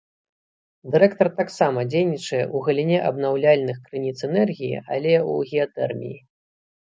Дырэктар таксама дзейнічае ў галіне абнаўляльных крыніц энергіі, але ў геатэрміі.